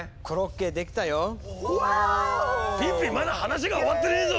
ピッピまだ話が終わってねえぞ！